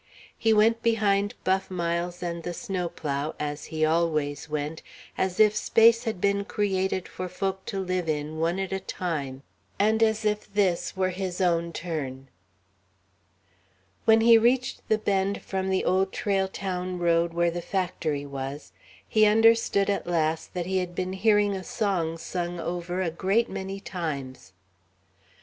He went behind Buff Miles and the snowplow as he always went as if space had been created for folk to live in one at a time, and as if this were his own turn. When he reached the bend from the Old Trail to the road where the factory was, he understood at last that he had been hearing a song sung over a great many times.